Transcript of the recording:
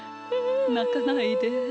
なかないで。